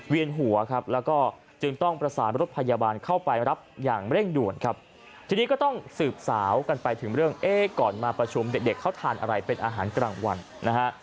หัวครับแล้วก็จึงต้องประสานรถพยาบาลเข้าไปรับอย่างเร่งด่วนครับทีนี้ก็ต้องสืบสาวกันไปถึงเรื่องเอ๊ะก่อนมาประชุมเด็กเด็กเขาทานอะไรเป็นอาหารกลางวันนะฮะ